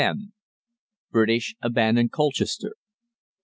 BRITISH ABANDON COLCHESTER.